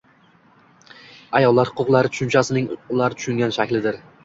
«ayollar huquqlari» tushunchasining ular tushungan shaklidir.